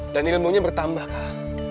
dan ilmunya bertambah kak